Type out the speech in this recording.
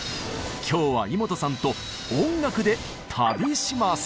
今日はイモトさんと音楽で旅します。